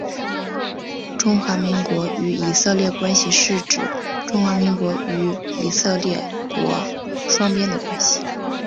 中华民国与以色列关系是指中华民国与以色列国双边的关系。